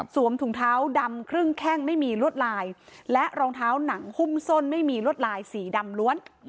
ถุงเท้าดำครึ่งแข้งไม่มีลวดลายและรองเท้าหนังหุ้มส้นไม่มีลวดลายสีดำล้วน